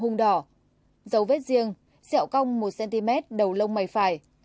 hùng đỏ dấu vết riêng xẹo cong một cm đầu lông mầy phải